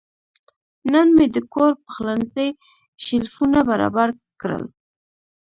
نن مې د کور پخلنځي شیلفونه برابر کړل.